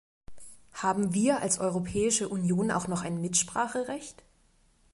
Haben wir als Europäische Union auch noch ein Mitspracherecht?